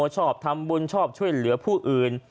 ชอบทำบุญชอบช่วยเหลือผู้อื่น